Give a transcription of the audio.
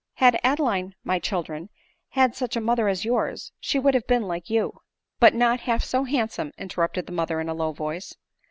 Had Adeline, my children, had such a mother as yours, she would have been like you." " But not half so handsome," interrupted the mother in a low voice.